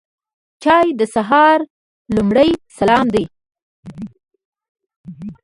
چای د سهار لومړی سلام دی.